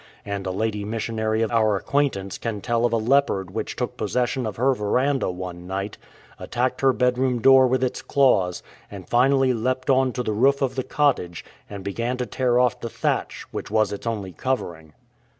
And a lady missionary of our acquaintance can tell of a leopard which took possession of her verandah one night, attacked her bedroom door with its claws, and finally leapt on to the roof of the cottage and began to tear off the thatch, which was its only covering.